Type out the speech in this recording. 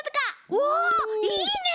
おおいいね！